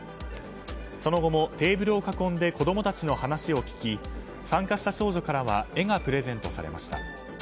その後もテーブルを囲んで子供たちの話を聞き参加した少女からは絵がプレゼントされました。